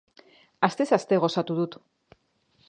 Astez aste gozatu dut.